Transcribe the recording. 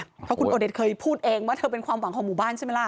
เพราะคุณโอเดชเคยพูดเองว่าเธอเป็นความหวังของหมู่บ้านใช่ไหมล่ะ